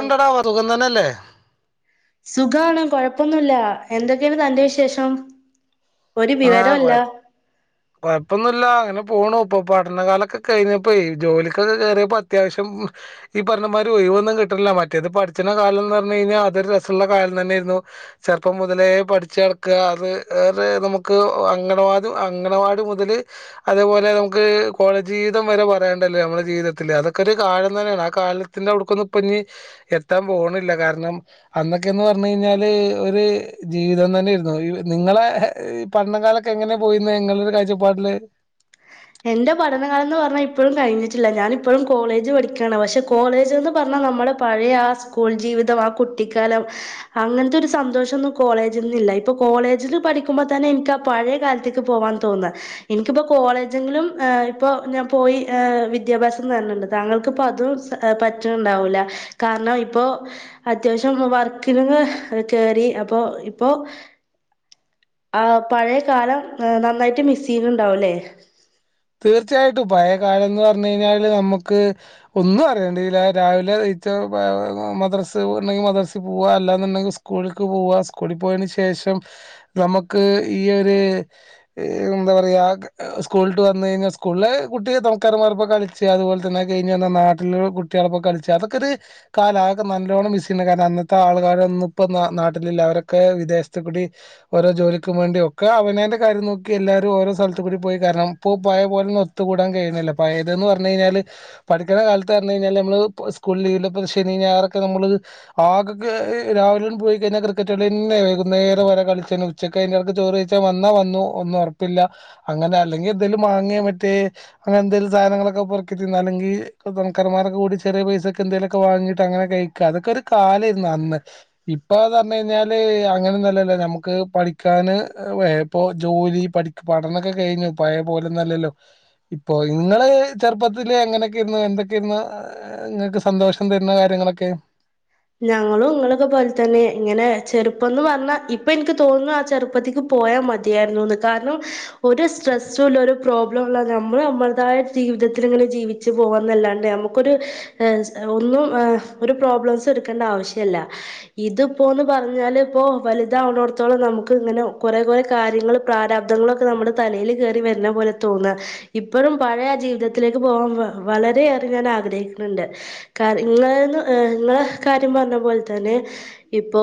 Law [unintelligible] തന്നെല്ലേ സുഖാണ് കൊഴപ്പൊന്നുല്ല എന്തൊക്കെയാണ് തന്റെ വിശേഷം ഒരു വിവരൊല്ല അപ്പൊന്നുല്ല അങ്ങനെ പോണു ഇപ്പൊ പഠനകാലക്കെ കഴിഞ്ഞപ്പോ ഈ ജോലിക്കൊക്കെ കയറിയപ്പോ അത്യാവശ്യം ഈ പറഞ്ഞന്മാർ ഒഴിവൊന്നും കിട്ടില്ല മറ്റേത് പഠിച്ചണ കാലം എന്ന് പറഞ്ഞ് കഴിഞ്ഞാൽ അതൊരു രസള്ള കാലം തന്നെയായിയിരുന്നു ചെറപ്പം മുതലേ പഠിച്ച് നടക്കുക അത് അത് നമുക്ക് നമക്ക് അംഗണവാ അംഗണവാടി മുതൽ അതേപോലെ നമുക്ക് കോള ജീവിതം വരെ പറയണ്ടല്ലോ നമ്മളെ ജീവിതത്തിൽ അതൊക്കെ ഒരു കാലം തന്നെയാണ് ആ കാലത്തിന്റെ അവിടുക്കൊന്നും ഇപ്പൊ ഇഞ്ഞ് എത്താൻ പോകണില്ല കാരണം അന്നൊക്കെയന്ന് പറഞ്ഞു കഴിഞ്ഞാല് ഒരു ജീവിതം തന്നൊയിരുന്നു നിങ്ങളെ പഠന കാലൊക്കെ എങ്ങനെയ പോയിന്ന് നിങ്ങളൊരു കാഴചപ്പാടില് എന്റെ പഠനകാലം ന്ന് പറഞ്ഞാ ഇപ്പഴും കഴിഞ്ഞിട്ടില്ല. ഞാനിപ്പഴും കോളേജ് പഠിക്കാണ് പക്ഷെ കോളേജ്ന്ന് പറഞ്ഞാ നമ്മളെ പഴയ ആ സ്കൂൾ ജീവിതം ആ കുട്ടിക്കാലം അങ്ങനത്തെ ഒരു സന്തോഷൊന്നും കോളേജിന്നില്ല ഇപ്പൊ കോളേജില് പഠിക്കുമ്പോ തന്നെ എനിക്ക് ആ പഴയ കാലത്ത്ക്ക് പോവാൻ തോന്ന ഇനിക്കിപ്പോ കോളേ ജ്ങ്ങിലും ഏഹ് ഇപ്പൊ ഞാൻ പോയി ഏഹ് വിദ്യാഭ്യാസം നേട്ണ് ണ്ട് താങ്ങൾക്ക്പ്പോ അതും ഏഹ് പറ്റ്ണ് ണ്ടാവൂല കാരണം ഇപ്പൊ അത്യാവശ്യം വർക്കിലെങ്ങെ കേറി. അപ്പൊ ഇപ്പോ ആ പഴയ കാലം ഏഹ് നന്നായിട്ട് മിസ്സിംഗ്ണ്ടാവുലേ? തീർച്ചയായിട്ടും പഴയ കാലംന്ന് പറഞ്ഞ് കയ്ഞ്ഞാല് നമ്മുക്ക് ഒന്നും അറിയേണ്ടീല രാവിലെ നീച്ച മദ്രസ് ഇണ്ടെങ്കി മദ്രസി പോവ അല്ലാന്ന്ണ്ടെങ്കി സ്കൂള്ക്ക് പോവാ സ്കൂളി പോയയ്ന് ശേഷം നമുക്ക് ഈ ഒര് എന്താ പറയാ സ്കൂൾ ട്ട് വന്ന് കയ്ഞ്ഞാ സ്കൂളിലെ കുട്ടി തൊണക്കാരമ്മാരപ്പം കളിച്ചാ അതുപോലെ തന്നെ അഹ് കയ്ഞ് വന്നാ നാട്ടില് കുട്യോളപ്പം കളിച്ചാ അതൊക്കെ ഒര് കാലാ ആക്കെ നല്ലോണം മിസ്യ്യ്ണ് കാരണം അന്നത്തെ ആൾക്കാരൊന്നും ഇപ്പോ നാ നാട്ടിലില്ല അവരൊക്കെ വിദേശത്ത് കുടി ഓരോ ജോലിക്കും വേണ്ടി ഒക്കെ അവനേന്റെ കാര്യം നോക്കി എല്ലാരും ഓരോ സലത്ത് കൂടി പോയി കാരണം ഇപ്പൊ പയേ പോലൊന്നും ഒത്തുകൂടാൻ കഴിയ്ണില്ല. പയേത് ന്ന് പറഞ്ഞെയ്ഞ്ഞാല് പഠിക്ക്ണ കാലത്ത് പറഞ്ഞ് കയ്ഞ്ഞാല് നമ്മള് ഇപ്പാ സ്കൂൾ ലീവില്ലപ്പ ശനി ഞായറൊക്കെ നമ്മള് ആകെ ക്കെ രാവിലെ ആൺ പോയിക്കയ്ഞ്ഞാ ക്രിക്കറ്റ്കളിയെന്നെ വകുന്നേരം വരെ കളിച്ചന്നെ ഉച്ചക്ക് അയ്ൻ്റെടക്ക് ചോറെയ്ച്ചാൻ വന്നാ വന്നു ഒന്നും ഒറപ്പില്ല അങ്ങനെ അല്ലെങ്കി എന്തെലും മാങ്ങേ മറ്റേ അങ്ങനെ എന്തെലും സാധനങ്ങളൊക്കെ പൊറ്ക്കി തിന്നാ അല്ലെങ്കി തൊണക്കാരൻമാരൊക്കെ കൂടി ചെറ്യേ പൈസക്ക് എന്തേലും ഒക്കെ വാങ്ങിട്ട് അങ്ങനെ കഴിക്കപ അതൊക്കെ ഒരു കാലേര്ന്നു അന്ന് ഇപ്പോ ന്ന് പറഞ്ഞ് കയ്ഞ്ഞാല് അങ്ങനെന്നല്ലല്ലോ നമുക്ക് പഠിക്കാന് വേ പ്പോ ജോലി പഠിക് പഠനൊക്കെ കയ്ഞ്ഞ് പഴ പോലന്നല്ലല്ലോ ഇപ്പൊ നിങ്ങള് ചെറുപ്പത്തില് എങ്ങനെയൊക്കെ ഇുന്ന എന്തൊക്കെ ഇുന്ന നിങ്ങൾക്ക് സന്തോഷം തരുന്ന കാര്യങ്ങളൊക്കെ ഞങ്ങളും ഇങ്ങളൊക്കെ പോലെ തന്നെ ഇങ്ങനെ ചെറുപ്പംന്ന് പറഞ്ഞാ ഇപ്പൊ ൻക്ക് തോന്നുന്നു ആ ചെറുപ്പത്തിക്ക് പോയാ മതിയായിരുന്നുന്ന് കാരണം ഒരു സ്ട്രെസ്സുംല്ല ഒരു പ്രോബ്ലംല്ല നമ്മള് നമ്മൾതായ ജീവിതത്തിൽ ഇങ്ങനെ ജീവിച്ച് പോകന്നല്ലാണ്ട് നമുക്കൊരു എ ഒന്നും ഒരു പ്രോബ്ലം എടുക്കേണ്ട ആവശ്യല്ല ഇതിപ്പോന്ന് പറഞ്ഞാല് ഇപ്പോൊ വലുതാവുന്നോടത്തോളം നമുക്ക് ഇങ്ങനെ കൊറെേ കുറെേ കാര്യങ്ങൾ പ്രാരാബ്ദങ്ങളൊക്കെ നമ്മുടെ തലൽ കറി വരുന്ന പോലെ തോന്നാ ഇപ്പോഴും പഴയ ആ ജീവിതത്തിലേക്ക് പോകാൻ വളരെയേറെ ഞാൻ ആഗ്രഹിക്കുണ്ണ്ട് ക ഇങ്ങന്ന് ങ്ങള കാര്യം പറഞ്ഞ പോലെ തന്നെ ഇപ്പോ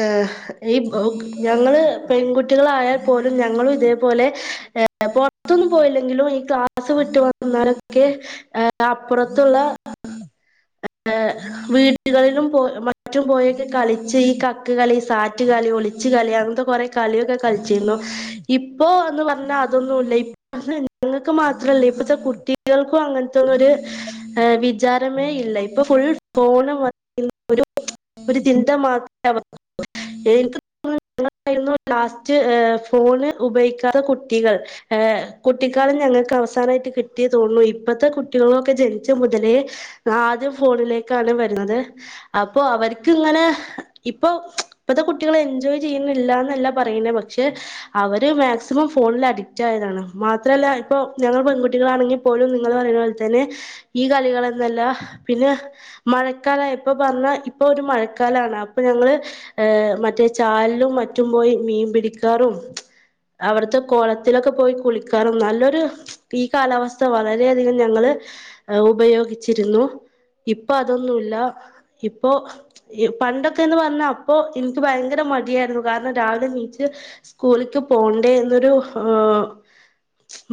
എ ഈ ഞങ്ങള് പെൺകുട്ടികളായാൽ പോലും ഞങ്ങളും ഇതേപോലെ ഏ പുറത്തൊന്നും പോയില്ലെങ്കിലും ഈ ക്ലാസ്സ് വിട്ട് വന്നാലൊക്കെ ഏ അപ്പുറത്തുള്ള വീടുകളിലും പോ മറ്റും പോയൊക്കെ കളിച്ച് ഈ കക്ക് കളി സാറ്റ് കളി ഒളിച്ച് കളി അങ്ങനത്തെ കൊറെേ കളിയൊക്കെ കളിച്ചിരുന്നു ഇപ്പോൊ എന്ന് പറഞ്ഞാ അതൊന്നുമ ഇല്ല ഇ ഞങ്ങൾക്ക് മാത്രല്ലേ ഇപ്പോഴത്തെ കുട്ടികൾക്കും അങ്ങനത്തെൊന്നുംരു വിചാരമേ ഇല്ല ഇപ്പൊ ഫുൾ ഫോണ് ചിന്ത മാത്ര അവ എനിക്ക് തോന്നുന്നുയിരുന്നു ലാസ്റ്റ് ഫോണ് ഉപയോഗിക്കാത്ത കുട്ടികൾ കുട്ടിക്കാലം ഞങ്ങൾക്ക് അവസാനമായിട്ട് കിട്ടിയ തോന്നു ഇപ്പഴത്തെ കുട്ടികളൊക്കെ ജനിച്ച മുതലേ ആദ്യം ഫോണിലേക്ക് ണ് വരുന്നത് അപ്പൊ അവർക്ക് ഇങ്ങനെ ഇപ്പൊ ഇപ്പത്തെ കുട്ടികൾ എൻജോയ് ചെയ്യുന്നില്ലന്നല്ല പറയുന്നേ പക്ഷെ അവര് മാക്സിമം ഫോണിൽ അഡിക്റ്റയതാണ് മാത്രല്ല ഇപ്പ ഞങ്ങ പെൺകുട്ടികളാണെങ്കിൽ പോലും നിങ്ങൾ പറയുന്ന പോലെ തന്നെ ഈ കളികളന്നല്ല പിന്നെ മഴക്കാല ഇപ്പൊ പറഞ്ഞാ ഇപ്പൊ ഒരു മഴക്കാലണ് അപ്പൊ ഞങ്ങള് ഏ മറ്റേ ചാൽലും മറ്റും പോയി മീൻ പിടിക്കാറും അവിട്ത്തെ കൊളത്തിലൊക്കെ പോയി കുളിക്കാറും നല്ലൊരു ഈ കാലാവസ്ഥ വളരെയധികം ഞങ്ങള് ഉപയോഗിച്ചിരുന്നു ഇപ്പൊ അതൊന്നുല്ല ഇപ്പോ പണ്ടൊക്കെന്ന് പറഞ്ഞാ അപ്പോ എനിക്ക് ഭയങ്കര മടിയായിരുന്നു കാരണം രാവിലെ നീച്ച് സ്കൂളിലക്ക് പോണ്ടേ എന്നൊരു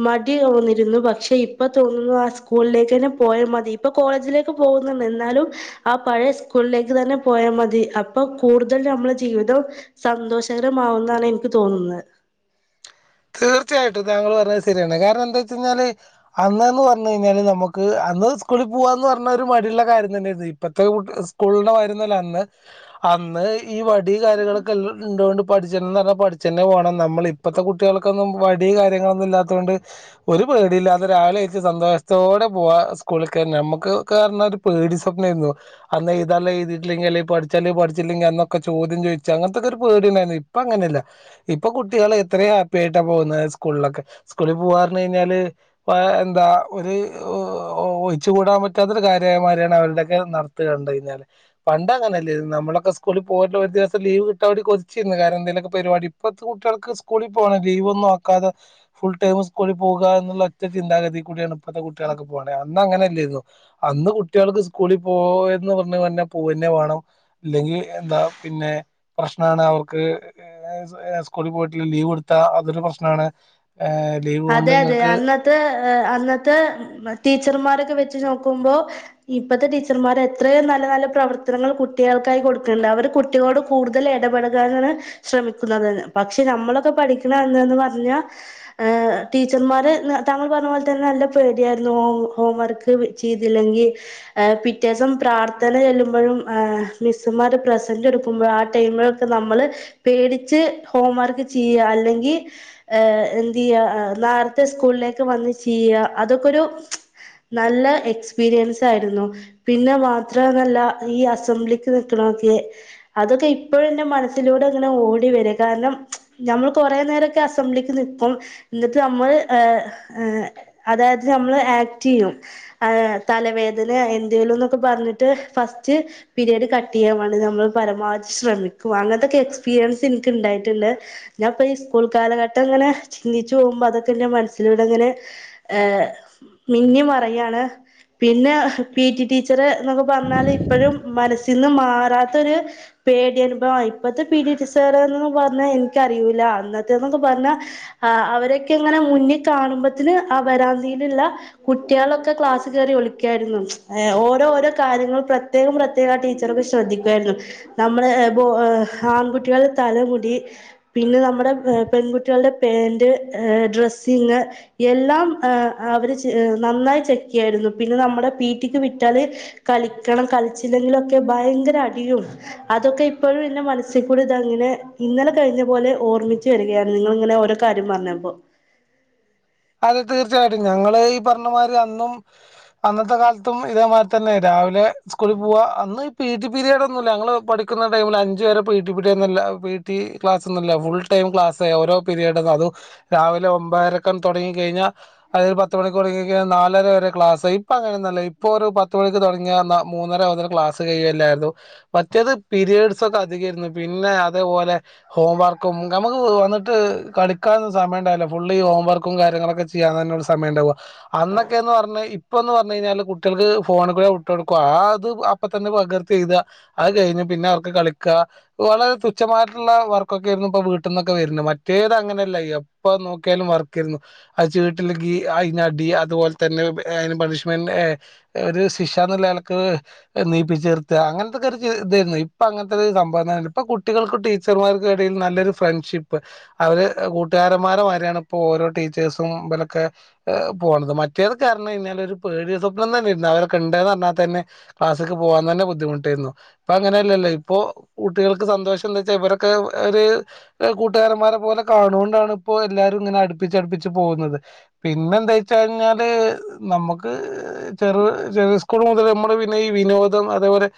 മടി തോന്നിരുന്നു പക്ഷെ ഇപ്പൊ തോന്നുന്നു ആ സ്കൂളിലേക്ക് തന്നെ പോയ മതി ഇപ്പൊ കോളേജിലേക്ക് പോ എന്നാലും ആ പഴയ സ്കൂളിലേക്ക് തന്നെ പോയാ മതി അപ്പം കൂടുതൽ ഞമ്മളെ ജീവിതം സന്തോഷകരമാവുന്നാണ് ൻക്ക് തോന്നുന്നെ തീർച്ചയായിട്ടും താങ്കൾ പറഞ്ഞത് സരിയാണ് കാരണം എന്താച്ചയ്ഞ്ഞാല് അന്ന്ന്ന് പറഞ്ഞയ്ഞ്ഞാല് നമുക്ക് അന്ന് സ്കൂളിൽ പോവാന്ന് പറഞ്ഞ ഒരു മടിയുള്ള കാര്യം തന്നേര്ന്ന് ഇപ്പത്തെ കു സ്കൂളിന്റെ മായരാെന്നു അല്ല അന്ന് അന്ന് ഈ വടി കാര്യങ്ങളൊക്കൊ ള്ളൊണ്ട് പഠിച്ചണം പറഞ്ഞാൽ പഠിച്ചെന്നെ പോകണം നമ്മളിപ്പത്തെ കു കുട്ടികൾക്കൊന്നും വടി കാര്യങ്ങളൊന്നും ഇല്ലാത്ത കൊണ്ട് ഒരു പേടില്ലാതെ രാവിലെ എൺച്ച് സന്തോഷത്തോടെ പോവാ സ്കൂൾക്ക് ഞമ്മക്ക്ക്കെർഞ്ഞാ ഒരു പേടി സ്വപ്നേന്നു അന്ന് എയ്താല്ലെ എയ്തിട്ടില്ലെങ്കിൽ അല്ലേ പഠിച്ചാല്ലെ പഠ്ച്ചിട്ടില്ലെങ്കി അന്നൊക്കെ ചോദ്യം ചോയ്ച്ചാേ അങ്ങൻത്താെക്കെര് പേടിണ്ടായിരുന്നു ഇപ്പ അങ്ങനെയല്ല ഇപ്പൊ കുട്ടികൾ എത്രയും ഹ പ്പേട്ടാ പോകുന്നത് സ്കൂളിലൊക്കെ സ്കൂളിൽ പോവാഞ്ഞ കഴിഞ്ഞാല് എന്താ ഒരു ഒഴിച്ചു കൂടാൻ പറ്റാത്ത ഒരു കാര്യമായ മാരാണ് അവരുടെൊക്കെ നടത്തുക കണ്ടണ്ട് കഴിഞ്ഞാല് പണ്ട് അങ്ങനെയല്ലേ നമ്മളക്കെ സ്കൂളിൽ പോട്ടുള്ള ഒരു ദിവസം ലീവ് കിട്ടാർ വേണ്ടി കൊതിച്ചിന്ന് കാരണം എന്തെലൊക്കെ പരിപാടി ഇപ്പത്തെ കുട്ടികൾക്ക് സ്കൂളിൽ പോണ ലീവ് ഒന്നും ആക്കാതെ ഫുൾ ടൈം സ്കൂളിൽ പോക എന്നുള്ള ഒറ്റ ചിന്താഗതി കൂടിയാണ് ഇപ്പഴത്തെ കുട്ടികളൊക്കെ പോണ അന്ന് അങ്ങനെല്ലരുന്നു അന്ന് കുട്ടികൾക്ക് സ്കൂളിൽ പോയന്ന് പറഞ്ഞ തന്നെ പോൂന്നെ വേണം അല്ലെങ്കിൽ എന്താ പിന്നെ പ്രശ്നമാണ് അവർക്ക് സ്കൂളിൽ പോയിട്ടുള്ള ലീവ് എടു ത്ത അതൊരു പ്രശ്നണ് അതെ അതെ അന്നത്തെ എ അന്നത്തെ ടീച്ചർമാരൊക്കെ വെച്ച് നോക്കുമ്പോ ഇപ്പത്തെ ടീച്ചർമാര് എത്രയും നല്ല നല്ല പ്രവർത്തനങ്ങൾ കുട്ടികൾക്കായി കൊട്ക്ക്ണ് ണ്ട് അവര് കുട്ടികളോട് കൂടുതൽ ഇടപെഴകാനാണ് ശ്രമിക്കുന്നത് പക്ഷെ നമ്മളൊക്കെ പഠക്ക്ണ അന്ന്ന്ന് പറഞ്ഞാ ടീച്ചർമാര് താങ്കൾ പറഞ്ഞ പോലെ തന്നെ നല്ല പേടിയായിരുന്നു ഹോം വർക്ക് ചെയ്തില്ലെങ്കി പിറ്റെസം പ്രാർത്ഥന ചെല്ലുമ്പോഴും ആ മിസ്സുമാര് പ്രസന്റ് എടുക്കുമ്പോളും ആ ടൈമിലൊക്കെ നമ്മൾ പേടിച്ച് ഹോംവർക്ക് ചെയ്യുക അല്ലെങ്കി ആ അ നേരത്തെ സ്കൂളിലേക്ക് വന്ന് ചെയ്യ അതൊക്കെരു നല്ല എക്സ്പീരിയൻസ് ആയിരുന്നു പിന്നെ മാത്രന്നല്ല ഈ അസംബ്ലിക്ക് നൽക്കണൊക്കെ അതൊക്കെ ഇപ്പോഴ എന്റെ മനസ്സിലൂടെ അങ്ങനെ ഓടി വരിക കാരണം ഞമ്മള് കാെറേ നേരൊക്കെ അസംബ്ലിക്ക് നിൽക്കും ന്ന്ട്ട് നമ്മൾ എ ഏ അതായത് നമ്മള് ആക്ടെയ്യും തലവേദനെ എന്തേലുംന്നൊക്കെ പറഞ്ഞിട്ട് ഫസ്റ്റ് പീരീഡ് കട്ട് ചെയ്യാൻ വേണ്ടി നമ്മൾ പരമാവധി ശ്രമിക്കും അങ്ങൻത്താെക്കെ എക്സ്പീരിയൻസ് ഇൻക്ക്ണ്ടായിട്ട്ണ്ട് ഞാൻപ്പ ഈ സ്കൂൾ കാലഘട്ടംങ്ങനെ ചിന്തിച്ചു പോകുമ്പോ അതൊക്കെന്റെ മനസ്സിലൂടെങ്ങനെ എ മിന്നി മറയാണ് പിന്നെ പിടി ടീച്ച [unintelligible] ന്നൊക്കെ പറഞ്ഞാല് ഇപ്പഴും മനസ്സിൽന്ന് മാറാത്തരു പേടി അനുഭവായി ഇപ്പത്തെ പിഡീടി സറെന്ന്ന്നൊന്നും പറഞ്ഞാൽ എനിക്കറി യൂല്ല അന്നത്തെന്നൊക്കെ പറഞ്ഞാ ആ അവരൊക്കെങ്ങനെ മുന്നിൽ കാണുമ്പോത്തിന് ആ വരാന്തീല്ള്ള കുട്ട്യേളൊക്കെ ക്ലാസ്സ് കയറി ഒളിക്കായിരുന്നു എ ഓരോ ഓരോ കാര്യങ്ങള് പ്രത്യേകം പ്രത്യേകം ആ ടീച്ചർക്ക പ ശ്രദ്ധിക്കുവായിരുന്നു നമ്മള് ഏ ആൺകുട്ടികളുടെ തലമുടി പിന്നെ നമ്മുടെ പെൺകുട്ടികളുടെ പേരന്റ് ഏ ഡ്രെസ്സിങ് എല്ലാം എ അവര് നന്നായി ചെക്ക്യ്യായിരുന്നു പിന്നെ നമ്മുടെ പീറ്റിക്ക് വിറ്റാല് കളിക്കണം കളിച്ചില്ലെങ്കിലൊക്കെ ഭയങ്കര അടിയും അതൊക്കെ ഇപ്പോഴും എന്റെ മനസ്സിൽ കൂടെ ഇതങ്ങനെ ഇന്നലെ കഴിഞ്ഞ പോലെ ഓർമ്മിച്ചി വരികയാണ് നിങ്ങള്ങ്ങനെ ഓ കാര്യം പറഞ്ഞപ്പോ അതെ തീർച്ചയായിട്ടും ഞങ്ങൾ ഈ പറഞ്ഞമാതിരി അന്നും അന്നത്തെ കാലത്തും ഇതേമാതിരി തന്നെ രാവിലെ സ്കൂളിൽ പോവ അന്ന് ഈ പി ടി പിരീഡ് ഒന്നുമല്ല ഞങ്ങൾ പഠിക്കുന്ന ടൈമിൽ അഞ്ച് വരെ പി ടി പിരഡൊന്നുല്ല പി ടി ക്ലാസ് ഒന്നുംല്ല ഫുൾ ടൈം ക്ലാസ് ഓരോ പീരീഡ്ന്നും അും രാവിലെ ഒമ്പായിരക്ക തുടങ്ങി കഴിഞ്ഞാ അത ഒരു പത്ത് മണിക്ക് തുടങ്ങഴൽ നാലരവരെ ക്ലാസ് ഇപ്പ അങ്ങനെയന്നല്ല ഇപ്പോ ഒരു പത്ത് മണിക്ക് തുടങ്ങിയ മൂന്നര ഒന്നര ക്ലാസ് കഴില്ലായിരുന്നു മറ്റേത് പിരിഡ്സ് ഒക്കെ അധികരുന്നു പിന്നെ അതേപോലെ ഹോംവർക്കും നമുക്ക് വന്നിട്ട് കളിക്കാന്നും സമയംണ്ടല്ല ഫുള്ളി ഹോംവർ ക്കും കാര്യങ്ങളൊക്കെ ചെയ്യാൻ തന്നെ സമയം ഉണ്ടാവുക അന്നൊക്കന്ന് പറഞ്ഞ ഇപ്പ എന്ന് പറഞ്ഞഴിഞ്ഞാൽ കുട്ടികൾക്ക് ഫോണ കൂടെ ഉട്ടൊടുക്കുക ആ അത് അപ്പ തന്നെ പകർത്തി എയ്ത അത് കഴിഞ്ഞഞ് പിന്നെ അവർക്ക് കളിക്കാ വളരെ തുച്ഛമായിട്ടുള്ള വർക്കൊക്കെ ആയിരുന്നു ഇപ്പ വീട്ടിൽന്നൊക്കെ വരുന്നത് മറ്റേത് അങ്ങനെയല്ല എപ്പ നോക്കിയാലും വർ ര്ന്നു ചീട്ട്ൽ ഗി അയ്ന്നടി അതുപോലെ തന്നെ അയ്ന് പണിഷ്മെന്റ് എ ഒര് സിഷാന്ന്ള്ളെ ൽക്ക് നീപ്പിച്ച്ർത്ത അങ്ങൻത്തൊക്കെര് ഇതേര്ന്നു ഇപ്പൊ അങ്ങൻത്തെര് സംഭവന്നെല്ല ഇപ്പൊ കുട്ടികൾക്കും ടീച്ചർമാർക്കും ഇടയിൽ നല്ലൊരു ഫ്രണ്ട്ഷിപ്പ് അവര് കൂട്ടുകാരന്മാരമായ്രിയാണ് ഇപ്പോ ഓരോ ടീച്ചേസും ഇബലക്കെ പോന്നത് മറ്റേതകാരനയിന്നൽ ഒരു പേടി സ്വപ്നം തന്നെ ഇരുന്നു അവരൊക്കെ ഉണ്ടന്ന് പറഞ്ഞാൽ തന്നെ ക്ലാസ്സക്ക് പോവ ൻ തന്നെ ബുദ്ധിമുട്ടായിരുന്നു ഇപ്പൊ അങ്ങനെയല്ലല്ലോ ഇപ്പോൊ കുട്ടികൾക്ക് സന്തോഷം എന്തച്ചാൽ ഇവരൊക്കെ ഒരു കൂട്ടുകാരന്മാരെ പോലെ കാണുണ്ടാണ് ഇപ്പോ എല്ലാരുംങ്ങ അടുപ്പിച്ചടുപ്പിച്ച് പൊന്നത് പിന്നെന്താച്ചഴിഞ്ഞാല് നമ്മക്ക് ചെറു ചെറു സ്കൂള് മുതൽ നമ്മള് പിന്നെ ഈ വിനോദം അതേപോലെ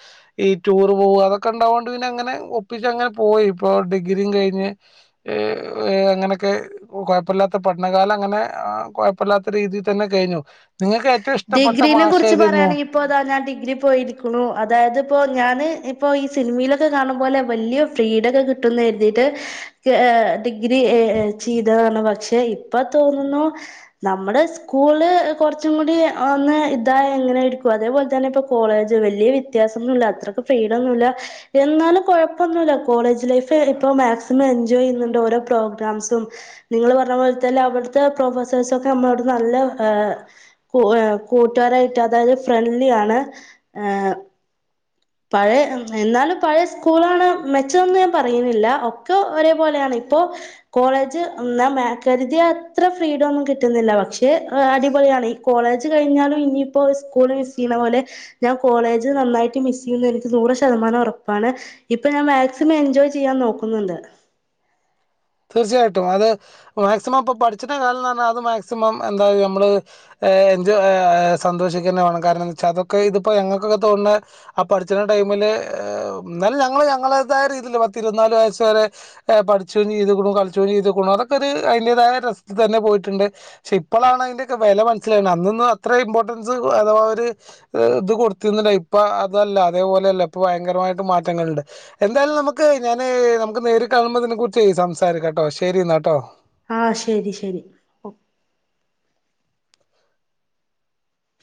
ഈ റ്റൂർ പോവാ അതൊക്കെണ്ടാവോണ്ട് പിന്നെ അങ്ങനെ ഒപ്പിച്ചങ്ങനെ പോയി ഇപ്പോ ഡിഗ്രി കഴിഞ്ഞ് അങ്ങനൊക്കെ കൊഴ് പ്പല്ലാത്ത പഠനകാലം അങ്ങനെകൊയപ്പല്ലാത്ത രീതിതന്നെ കയി ഞ്ഞു. ഡിഗ്രീനെ കുറിച്ച് പറയാണെങ്കി ഇപ്പോതാ ഞാൻ ഡിഗ്രി പോയിരിക്കണു അതാതിപ്പോ ഞാന് ഇപ്പൊ ഈ സിനിമയിലൊക്കെ കാണു പോലെ വലിയ ഫ്രീഡം ഒക്കെ കിട്ടുന്ന കരുതിട്ട് ഡിഗ്രി ചെയ്തതാണ് പക്ഷെ ഇപ്പൊ തോന്നുന്നു നമ്മടെ സ്കൂള് കുറച്ചും കൂടി ഒന്ന് ഇതായ എങ്ങനെ ഇരിക്കും അതേപോലെ തന്നെ ഇപ്പ കോളേജ് വലിയ വിത്യാസൊന്നുല്ല അത്രയ്ക്ക് ഫ്രീഡം ഒന്നുമല്ല എന്നാലും കൊഴപ്പൊന്നുല്ല കോളേജ് ലൈഫ് ഇപ്പൊ മാക്സിമം എൻജോയ് ചെയ്യുന്നുണ്ട് ഓരോ പ്രോഗ്രാംസും നിങ്ങള് പറഞ്ഞ പോലത്ത അവിടുത്തെ പ്രൊഫസേഴ്സൊക്കെ നമ്മളോട നല്ല കൂട്ടുകാരാട്ട് അതായത് ഫ്രണ്ട്ലി ആണ് ഏ പഴയ എന്നാലും പഴയ സ്കൂളാണ് മെച്ചന്നും ഞാൻ പറയുന്നില്ല ഒക്കെ ഒരേ പോലെയാണ് ഇപ്പോ കോളേജ് ഞാൻ കരുതിയ അത്ര ഫ്രീഡോന്നും കിട്ടുന്നില്ല പക്ഷെ അടിപൊളിയാണ് ഈ കോളേജ് കഴിഞ്ഞാലും ഇനിയിപ്പോ സ്കൂള് മിസ് ചെയ്യണ പോലെ ഞാൻ കോളേജ് നന്നായിട്ട് മിസ് [unintelligible] എനിക്ക് നൂറ് ശതമാനം ഉറപ്പാണ് ഇപ്പൊ ഞാൻ മാക്സിമം എൻജോയ് ചെയ്യാൻ നോക്കുന്നുണ്ട് തീർച്ചയായിട്ടും അത് മാക്സിമം ഇപ്പ പഠിച്ച് ണ കാലംന്ന് പറഞ്ഞാ അത് മാക്സിമം എന്താ നമ്മള് ഏ എൻജോയ് സന്തോഷിക്കന്നെ വേണം കാരണംന്തച്ചാ അതൊക്കെ ഇതിപ്പോ ഞങ്ങൾക്കൊക്കെ തോന്നണ ആ പഠിച്ചണ ടൈമില് എന്നാലും ഞങ്ങള് ഞങ്ങളേതായ രീതിയിൽ പത്തി ഇരുപത്തിനാല് വയസ് വരെ പഠിച്ചും ചെയ്തു [unintelligible] കളിച്ച്ക്കുണു ചെയ്തുക്കുണു അതൊക്കെ ഒരു അതിന്റേതായ രസത്തി തന്നെ പോയിട്ടുണ്ട് ക്ഷെ ഇപ്പളാണ് അതിന്റെക്കെ വെല മനസ്സിലാവ്ണെ അന്നൊന്നും അത്ര ഇമ്പോർട്ടൻസ് അഥവാ ഒരു ഇത് കൊടുത്തിരുന്നില്ല ഇപ്പൊ അതല്ല അതേപോലെയല്ല ഇപ്പ ഭയങ്കരമായിട്ട് മാറ്റങ്ങളിണ്ട് എന്താലും നമുക്ക് ഞാന് നമുക്ക് നേരിൽ കാണുമ്പോ ഇതിനെക്കറിച്ച് സംസാ സാരിക്കാട്ടോ ശരി എന്നാ കേട്ടോ ആ ശരി ശരി